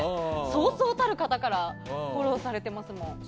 そうそうたる方からフォローされてますもん。